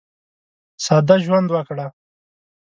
ساده ژوند وکړه.